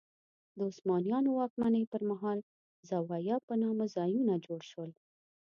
د عثمانیانو واکمنۍ پر مهال زوايا په نامه ځایونه جوړ شول.